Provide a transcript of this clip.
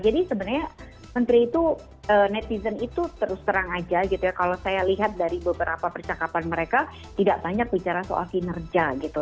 jadi sebenarnya menteri itu netizen itu terus terang aja gitu ya kalau saya lihat dari beberapa percakapan mereka tidak banyak bicara soal kinerja gitu